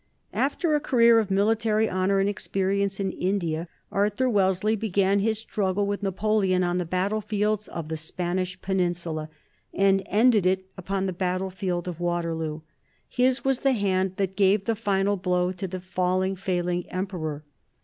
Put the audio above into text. After a career of military honor and experience in India, Arthur Wellesley began his struggle with Napoleon on the battle fields of the Spanish Peninsula, and ended it upon the battle field of Waterloo. His was the hand that gave the final blow to the falling, failing Emperor.